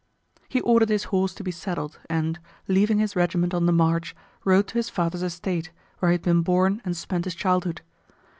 He ordered his horse to be saddled and, leaving his regiment on the march, rode to his father's estate where he had been born and spent his childhood.